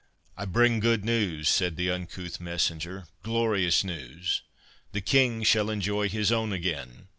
"I bring good news," said the uncouth messenger, "glorious news!—the King shall enjoy his own again!